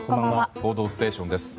「報道ステーション」です。